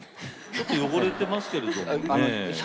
ちょっと汚れていますけどね。